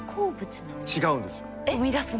違うんですよ。